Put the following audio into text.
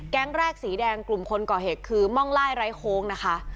แรกสีแดงกลุ่มคนก่อเหตุคือม่องไล่ไร้โค้งนะคะ